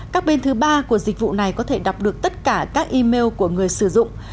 các bên thứ ba của dịch vụ này có thể đọc được tất cả các email của người sử dụng